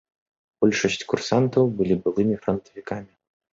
Большасць курсантаў былі былымі франтавікамі.